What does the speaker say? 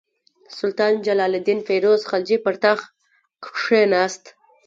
سلطان جلال الدین فیروز خلجي پر تخت کښېناست.